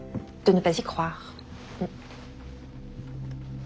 うん。